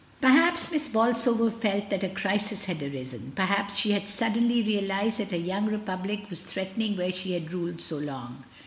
Perhaps Miss Bolsover felt that a crisis had arisen; perhaps she had suddenly realised that a young republic was threatening where she had ruled so long.